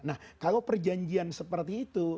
nah kalau perjanjian seperti itu